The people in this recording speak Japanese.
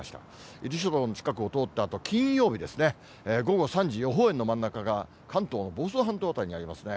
伊豆諸島の近くを通ったあと、金曜日ですね、午後３時、予報円の真ん中が関東の房総半島辺りにありますね。